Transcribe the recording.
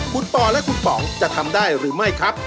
คุณปอและคุณป๋องจะทำได้หรือไม่ครับ